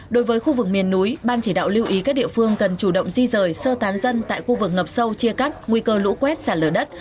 đối với khu vực miền núi ban chỉ đạo lưu ý các địa phương cần chủ động di rời sơ tán dân tại khu vực ngập sâu chia cắt nguy cơ lũ quét sạt lở đất